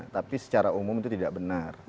tapi secara umum itu tidak benar